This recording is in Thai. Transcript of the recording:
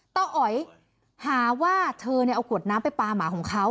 ตาอ๋อยหาว่าเธอเนี่ยเอากวดน้ำไปปาหมาของเขา